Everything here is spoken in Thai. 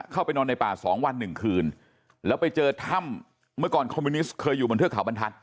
เข้าไปนอนในป่าสองวันหนึ่งคืนแล้วไปเจอถ้ำเมื่อก่อนคอมมิวนิสต์เคยอยู่บนเทือกเขาบรรทัศน